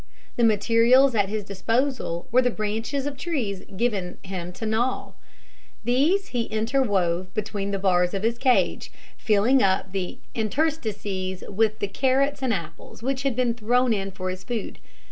The materials at his disposal were the branches of trees given him to gnaw. These he interwove between the bars of his cage, filling up the interstices with the carrots and apples which had been thrown in for his food.